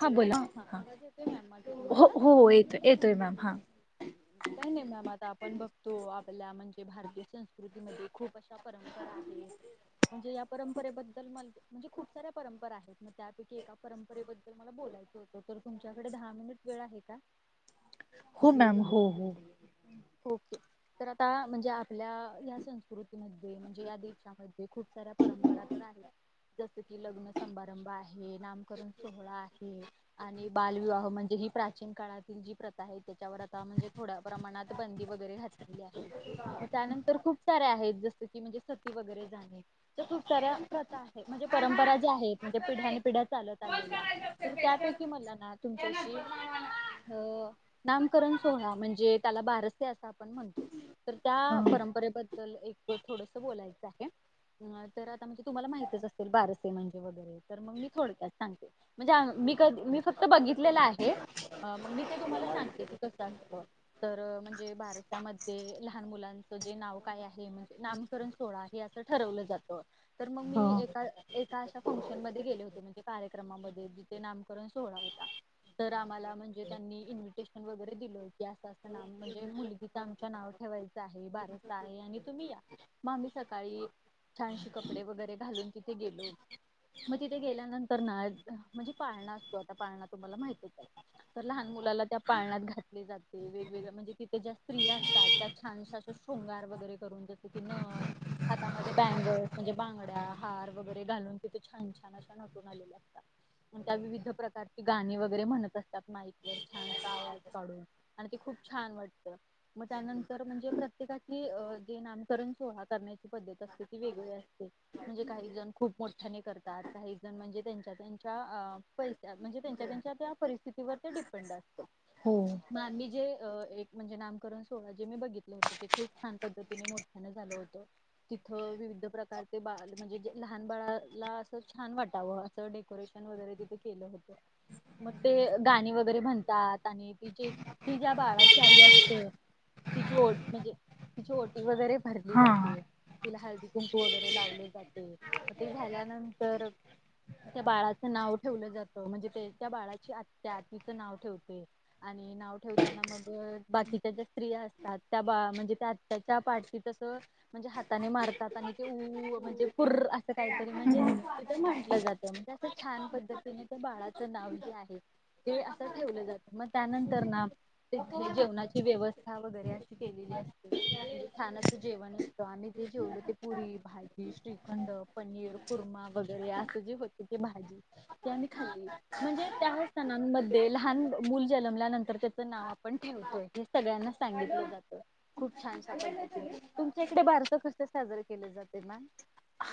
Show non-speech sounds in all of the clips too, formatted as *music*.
हा बोला ह हो हो येतोय येतोय म काय नाही मॅम आता आपण बघतो आपल्या म्हणजे भारतीय संस्कृतीमध्ये खूप अशा परंपरा आहेत. म्हणजे या परंपरेबद्दल म्हणजे खूप साऱ्या परंपरा आहेत मग त्यापैकी एका परंपरेबद्दल मला बोलायचं होतं तर तुमच्याकडे दहा मिनिट वेळ आहे का? हो ओके तर आता म्हणजे आपल्या ह्या संस्कृती मध्ये म्हणजे या देशामध्ये खूप साऱ्या परंपरा तर आहेत. जसं की लग्न सभारंभ आहे, नामकरण सोहळा आहे आणि बालविवाह म्हणजे प्राचीन काळातील जी प्रथा आहे त्याच्यावर आता म्हणजे थोड्या प्रमाणात बंदी वगैरे घात तली आहे मग त्यानंतर खूप साऱ्या आहेत. म्हणजे सती वगैरे जाणे तर खूप साऱ्या प्रथा आहेत म्हणजे परंपरा ज्या आहेत म्हणजे पिढ्यान पिढ्या चालत आलेल्या तर त्यापैकी मला ना तुमच्याशी अ नामकरण सोहळा म्हणजे त्याला बारसे बारसे अस आपण म्हणतो, तर त्या परंपरेबद्दल एक थोडस बोलायचं आहे. तर आता म्हणजे तुम्हाला माहितच असेल बारसे म्हणजे वगैरे, तर मग मी थोडक्यात सांगते. म्हणजे मी काही मी फक्त बघितलेलं आहे. मग मी ते तुम्हाला सांगते, की कसं असतं. तर म्ह जे भारतामध्ये लहान मुलांचं जे नाव काय आहे म्हणजे नामकरण सोहळा आहे असं ठरवलं जात. तर मग मी एका, एका अशा फंक्शनमध्ये गेले होते म्हणजे कार्यक्रमामध्ये जिथे नामकरण नामकरण सोहळा होता. तर आम्हाला म्हणजे त्यांनी इन्व्हिटेशन वैगेरे दिलं होतं, की असं असं नामकरण की मुलगीच आमच्या नाव ठेवायचं आहे, बारस आहे आणि तुम्ही या. मग आम्ही सग सकाळी छानशी कपडे वगैरे घालून तिथे गेलो. मग तिथे गेल्यानंतर ना म्हणजे पाळणा असतो, आता पाळणा तुम्हाला माहीतच आहे. तर लहान मुलाला त्या पाळण्यात घातले जाते‌. वेगवेगळे म्हणजे तिथं ज्या स्त्रीया असतात, त्या छान अशा शृंगार वगैरे करून जसं की नथ, हातामध्ये बॅ गल्स म्हणजे बांगड्या, हार वगैरे घालून तिथे छान छान अशा नटून आलेल्या असतात. आणि त्या विविध प्रकारची गाणी वगैरे म्हणत असतात माईकवर छान आवाज काढून आणि ते खूप छान वाटतं. मग त्यांतर म्हणजे प्रत्येकाची जे नामकरण सोहळा करण्याची पद्धत असते ती वेगळी असते. म्हणजे काही जण खूप मोठ्या मोठ्याने करतात काही जण म्हणजे त्यांच्या त्यांच्या अ पैशात म्हणजे त्यांच्या त्यांच्या त्या परिस्थितीवर ते डिपेंड असतं. मॅम मी जे एक म्हणजे नामकरण सोहळा जे मी बघितले होत ते खूप छान पद्धतीने मोठ्यान झालं होत. तिथ विवी विविध प्रकारचे बाळाला म्हणजे लहान बाळाला अस छान वाटावं असं डेकोरेशन वगैरे तिथे केल केलं होतं, मग ते गाणी वैगेरे म्हणतात आणि ती जे ती ज्या बाळाची आई असते तिची ओट म्हणजे तिची ओटी वगैरे भरली जाते. तिला हळदी कुंकू वगैरे लावले जाते, मग ते झाल्यानंतर त्या बाळाचं नाव ठेवलं जातं. म्हणजे ते त्या बाळाची आत्या तीच नाव ठेवते. आणि नाव ठेवताना मग अं बाकीच्या ज्या स्त्रिया असतात त्या म्हणजे त्या आत्याच्या पाठीत अस म्हणजे हाताने मार ते एका हाताने ऊ म्हणजे कुर असं काहीतरी म्हणजे तिथं म्हंटलं जातं म्हणजे असं छान पद्धतीने त्या बाळा च नाव जे आहे ते असं ठेवलं जातं, मग त्यानंतर ना तिथे जेवणाची व्यवस्था वगैरे अशी केलेली असते. म्हणजे छान असं जेवण असतं आणि ते जेवलं ते पुरी, भाजी, श्रीखंड, पनीर, कुर्मा वगैरे असं जे होते ते भाजी ते आम्ही खाल्ली. म्हणजे त्या स्नामध्ये लहान मूल जन्मल्यानंतर त्याच नाव आप पण ठेवतोय हे सगळ्यांना सांगितलं जातं खूप छानशा पद्धतीन. तुमच्या इकडे बारस कसं साजरं केलं जातंय मॅम?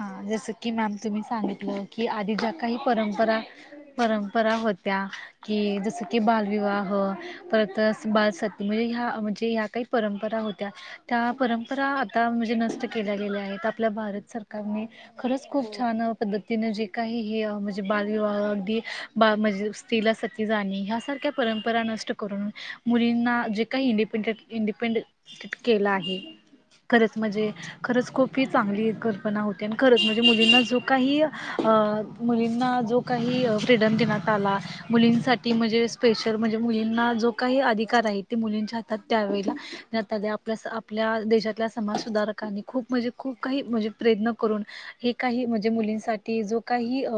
हा जसं की मॅम तुम्ही सांगितलं की आधी ज्या काही परंपरा परंपरा होत्या, कि जस की बालविवाह परत बाल सत म्हणजे ह्या म्हणजे ह्या काही परंपरा होत्या. त्या परंपरा आता जे नष्ट केल्या गेल्या आहेत. आपल्या भारत सरकारने खरंच खूप छान पद्धतिने जे काही हे अ म्हणजे बालविवाह अगदी बा म्हणजे स्त्रीला सती जाणे ह्यासारख्या परंपरा नष्ट करून मुलींना जे काही इंडिपेडट इंडिपेंडेंट केलं आहे खरंच म्हणजे खरंच खूप ही चांगली कल्पना होत ती आणि खरंच म्हणजे मुलींना जो काही अ मुलींना जो काही अ फ्रीडम देण्यात आला मुलींसाठी म्हणजे स्पेशल म्हणजे मुलींना जो काही अधिकार आहे ते मुलींच्या हातात त्यावेळेला आणि आता जे आपल्या आपल्या देशातल्या समाज सुधारकांनी खूप म्हणजे खूप काही म्हणजे प्रयत्न करून हे काही म्हणजे मुलींसाठी जो काही अ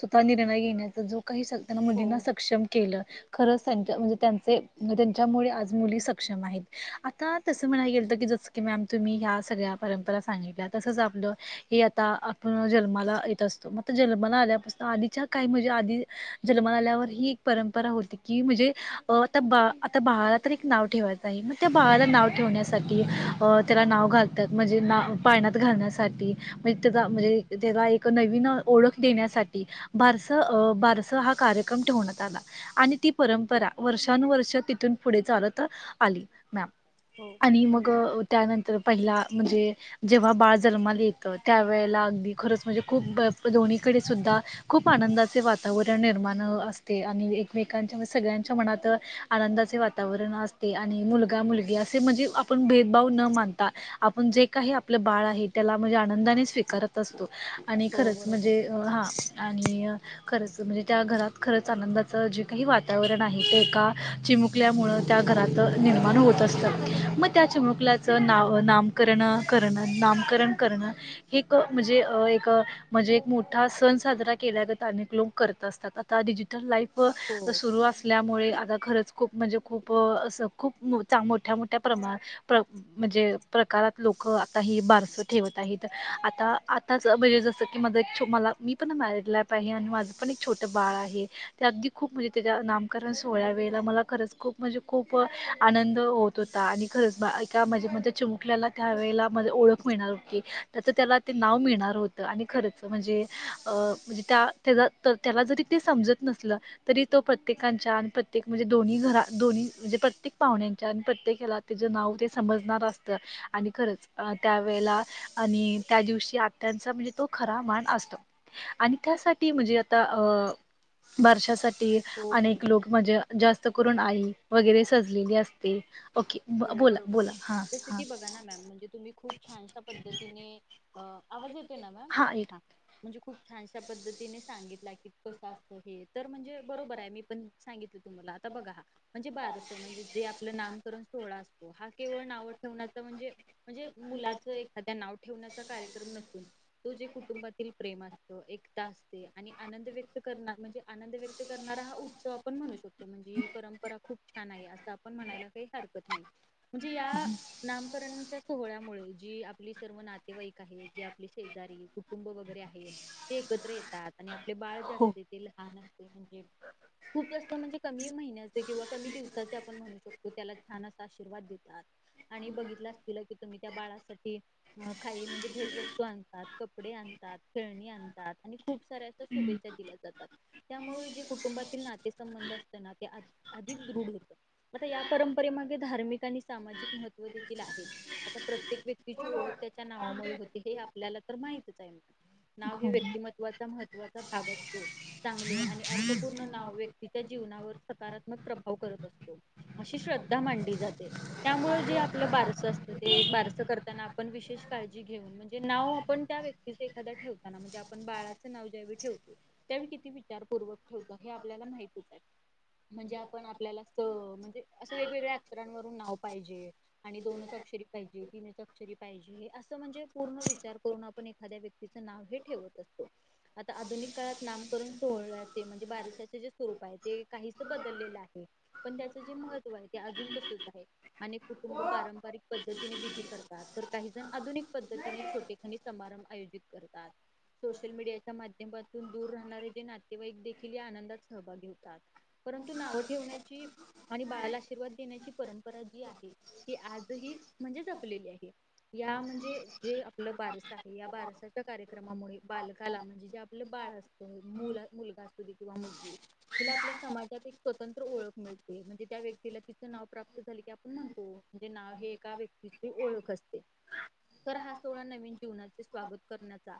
स्वतः निर्णय घेण्याचा जो काही संतान मुलीना सक्षम केलं. खरच त्यांच्या म्हणजे त्यांचे म्हणजे त्यांच्यामुळे आज मुली सक्षम आहेत. आता तसं म्हणायला गेल तर की ज जस की मॅम तुम्ही ह्या सगळ्या परंपरा सांगितल्या. तसंच आपलं हे आता आपण जन्माला येत असतो मग ते जन्माला आल्यापासून आधीच्या काही म्हणजे आधी जन्माला आल्यावर ही एक परंपरा होती, की म्हणजे अ आता बाळ आता बाळाला तर एक नाव ठेवायचं आहे मग त्या बाळाला नाव ठेवण्यासाठी अ त्याला नाव घालतात म्हणजे नाव पाळण्यात घालण्यासाठी म्हणजे त्याचा म्हणजे त्याला एक नवीन ओळख देण्यासाठी बारस अ बारसं हा कार्यक्रम ठेवण्यात आला आणि ती परंपरा वर्षानुवर्ष तिथून पुढे चालत आली मॅम. आणि मग त्यानंतर पहिला म्हणजे जेव्हा बाळ जन्माली त्यावेेळेला अगदी खरंच म्हणजे खूप दोन्हीकडे सुद्धा खूप आनंदाचे वातावरण निर्मा र्माण असते आणि एकमेकांच्या म्हण सगळ्यांच्या मनात आनंदाचे वातावरण असते आणि मुल गा, मुलगी असे म्हणजे आपण भेदभाव न मानता आपण जे काही आपलं बाळ आहे त्याला आपण म्हणजे आनंदाने स्वीकारत असतो आणि खरच म्हणजे हा आणि खरच म्हणजे त्या घरात खरच आनंदाच जे काही वातावरण आहे ते एका चिमुक कल्यामुळ त्या घरात निर्माण होत असतं मग त्या चिमुुकल्याचं नाव नामकरण करण नामकरण करण हे एक म्हणजे अ एक म्हणजे एक मोठा सण साजरा केल्या गत अनेक लोक कर त असतात आता डिजिटल लाईफ सुरू असल्यामुळे आता खरच खूप म्हणजे खूप अस खूप मो चांग मोठ्या मोठ्या प्रमाण प्र म्हणजे प्रकारात लोक आता ही बारस ठेवत आहेत आता आता ज म्हणजे जसं की माझ एक छो मला मी पण मॅरिड लाईफ आहे आणि माझ पण एक छोटं बाळ आहे ते अगदी खूप म्हणजे त्याच्या नामकरण सोहळ्या वेळेला मला खरंच खूप म्हणजे खूप आनंद होत होता आणि खरच बा एका म्हणजे माझ्या चिमुकल्याला त्यावेेळेला म्हणजे ओळख मिळणार हो ती त्याच त्याला ते नाव मिळणार होत आणि खरच म्हणजे अ म्हणजे त्या त्याचं त त्याला जरी ते समजत नसलं तरी तो प्रत्येकांच्या प्रत्येक म्हणजे दोन्ही घरात दोन्ही म्हणे प्रत प्रत्येक पाहुण्याच्या आणि प्रत्येक ह्याला त्याचं नाव ते समजणार असतं आणि खरंच अ त्यावेेळेला आणि त्या दिवशी आत्याचा म्हणजे तो खरा मान असतो. आणि त्यासाठी म्हणजे आता अ बारशासाठी अनेक लोक म्हणजे जास्त करून आई वगैरे सजलेली असते. हो बरोबर जस की बघा ना मॅम म्हणजे तुम्ही खूप छानशा पद्धतीने अ आवाज येतोय ना? हा म्हणजे खूप छानशा पद्धतीने सांगितला की कसं असतं हे तर म्हणजे बरोबर आहे मी पण सांगितल तुम्हाला आता बघा म्हणजे बारस म्हणजे जे आपलं नामकरण सोहळा असतो हा केवळ नाव ठेवण्याचा म्हणजे म्हणजे मुलाचं एखाद्या नाव ठेवण्याचा कार्यक्रम नस सुन तो जे कुटुंबातील प्रेम असतं एकता असते आणि आनंद व्यक्त करणा म्हणजे आनंद व्यक्त करणारा हा उत्सव आपण म्हणू शकतो, म्हणजे ही परंपरा खूप छान आहे असं आपण म्हणायला काही हरकत नाही म्हणजे या नामकरण च्या सोहळ्यामुळे जी आपली सर्व नातेवाईक आहेत आपले शेजारी कुटुंब वगैरे आहेत ते एकत्र येतात आणि आपले बाळ जे असते ते लहान अस खूप जास्त म्हणजे महिन्याचे किंवा कमी दिवसाचे आपण म्हणू शकतो त्याला छान असा आशीर्वाद देतात. आणि बघितलं असतील की तुम्ही त्या बाळासाठी काही म्हणजे भेटवस्तू आणतात. कपडे आणतात फेळणी आणतात आणि खूप साऱ्याच्या शुभेच्छा दिल्या जातात त्यामुळे जे कुटुंबातील नाते संबंध असतना ते *unintelligible* धार्मिक आणि सामाजिक महत्व देखील आता प्रत्येक व्यक्तीची ओळख त्याच्या नावामुळे होते हे आपल्याला तर माहितच आहे नाव हे व्यक्तिमत्वाचं मह भाग असतो चांगले आणि अर्थपूर्ण नाव व्य ति त्या जीवनावर सकारात्मक प्रभाव करत असतो. अशी श्रद्धा मांडली जाते, त्यामुळे जे आपलं बारस असतं ते बारस करताना आपण विशेष का काळजी घेऊन म्हणजे नाव आपण त्या वक्तीस ठेवताना म्हणजे आपण बाळाचं नाव ज्यावेळी ठेवतो त्या आपण किती विचारपूर्वक ठेवतो हे, आपल्या माहितीच आहे का म्हणजे आपण आपल्याला आसं म्हणजे असं वेगवेगळ्या अक्षरांवरून नाव पाहिजे आणि दोनच अक्षरी पाहिजे तीनच अक्षरी पाहिजे असं म्हणजे पूर्ण विचार करून आपण एखाद्या व्यक्तीच नाव हे ठेवत असतो. कळात नाम करून सोहलाे ते म्हणजे बारिशाचे जे रूप आहे ते काहीस बदलले आहे. पण त्याच जे मह त्व आहे ते अजून तसचं आहे अनेक कुटुंब पारंपरिक पद्धतीने विधी करतात तर काही जण आधुिक पद्धतीने छोटे खानी समारंभ आयोजित करतात. सोशल मीडियाच्या माध्यमातून दूर राहणारे जे नातेवाईक देखील या आनंदात सहभागी होतात. परंतु नाव ठेवण्याची आणि बाळाला आशीर्वाद देण्याची परंपरा जी आहे ती आजही म्हणजे जपलेली आहे या म्हणजे जे आपलं बारस आहे या बारसाच्या कार्यक्रमामुळे बालकाला म्हणजे जे आपलं बाळ असतं मु मुलं असुदे किंवा मुलगी हिला आपल्या समाजात एक स्वतंत्र ओळख मिळते म्हणजे त्या व्यक् तिला तिच नाव प्राप्त झाले की आपण म्हणतो म्हणजे नाव हे एका व्यक्तीची ओळख असते. तर हा सोहळा नवीन जीवनाचे स्वागत करण्याचा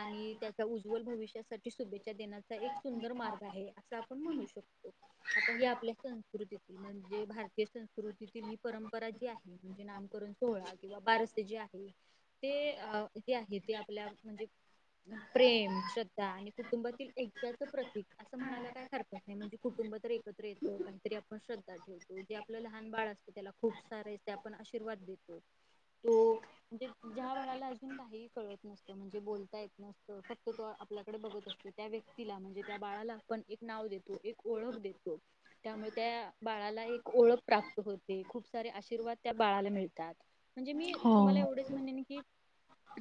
आणि त्याच्या उज्ज्वल भविष्यासाठी शुभेच्छा देण्याचा एक सुंदर मार्ग आहे असं आपण म्हणू शकतो. आता हे आपल्या संस्कृतीत म्हणजे भारतीय संस्कृतीतील ही परंपरा जी आहे म्हणजे नामकरण सोहळा किंवा बारसे जे आहे ते अ जे आहे ते आपल्या म्हणजे प्रेम श्रद्धा आणि कुटुंबातील ऐक्याच प्रतीक असं म्हणायला काय हरकत नाही म्हणजे कुटु ब तर एकत्र येत काहितरी आप ण श्रद्धा ठेवतो जे आपलं लहान बाळ असत त्याला खूप सारे असे आपण आशीर्वाद देतो. तो ज्या बाळाला अजून काही कळत नसत म्हणजे बोलता येत नसतं फक्त तो आपल्याकडे बघत असतो त्यावे क्तीला म्हणजे त्या बाळाला आपण एक नाव देतो ओळख देतो. त्यामुळं त्या बाळाला एक ओळख प्राप्त होते खूप सारे आशीर्वाद त्या बाळाला मिळतात. म्हणजे मी तुम्हाला एवढेच म्हणेन की,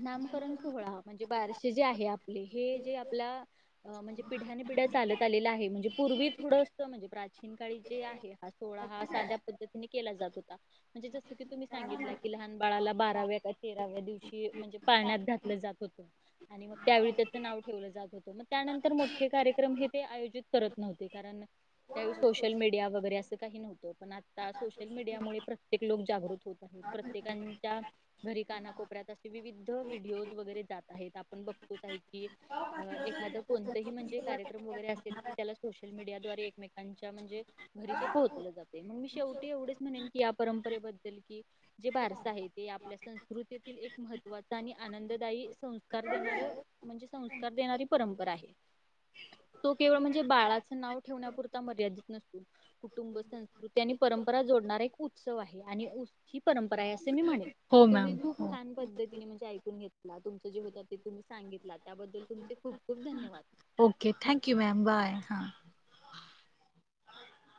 नामकरण सोहळा म्हणजे बारशे जे आहे. आपले हे जे आपल्या म्हणजे पिढ्याने पिढ्या चालत आलेलं आहे. म्हणजे पूर्वी थोडं असं म्हणजे प्राचीन काळी ते आहे हा सोहळा हा साध्या पद्धतीने केला जात होता. म्हणजे की जसं तुम्ही सांगितला की लहान बाळाला बाराव्या काय तेराव्या दिवशी म्हणजे पाळण्यात घातलं जात होत. आणि मग त्यावेळी त्याचं नाव ठेवलं जात होत मग त्यानंतर मोठे कार्यक्रम हे आयोजीत करत नव्हते. कारण त्यावेळी सोश शल मीडिया वगैरे असं काही न्हवतं, पण आता सोशल मीडियामुळे प्रत्येक लोक जागृत होत आहेत प्रत्येकां च्या घरी कानाकोपऱ्यात असे विविध व्हिडिओ वगैरे जात आहेत आपण बघतोच आहे की, अ एखाद कोणतही म्हणजे कार्यक्रम वगैरे असेल की त्याला सोशल मीडियाद्वारे एकमेकांच्या च्या म्हणजे घरी ते पोहाचल जातय म मी शेवटी एवढंच म्हणेन की या परंपरेबद्दल की जे बा बारस आहे ते आपल्या संस्कृतीतील एक महत्त्वाचा आणि आनंददायी संस्कार देणार म्हणजे संस्कार देणारी परंपरा आहे. तो केवळ म्हणजे बाळाच नाव ठेवण्यापुरता मर मर्यादेत नसून कुटुंब संस्कृती आणि परंपरा जोडणारा एक उत्सव आहे आणि उ ही परंपरा आहे अस मी म्हणेल. तुम्ही खूप छान पद्ध तिन, म्हणजे ऐकून घेतला तुमं जे होता ते तुम्ही सांगितला त्याबद्दल तुमचे खूप खूप धन्यवाद. ओके थँक्यू मॅम बाय हा.